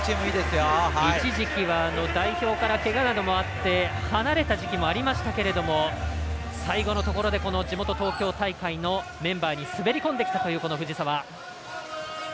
一時期は代表からけがなどもあって離れた時期もありましたけれども最後のところで地元・東京大会のメンバーに滑り込んできたという藤澤。